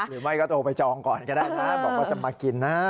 หรือไม่ก็โทรไปจองก่อนก็ได้นะบอกว่าจะมากินนะฮะ